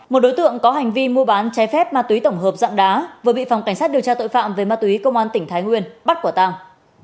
một đối tượng có hành vi mua bán trái phép ma túy tổng hợp dạng đá vừa bị phòng cảnh sát điều tra tội phạm về ma túy công an tỉnh thái nguyên bắt quả tàng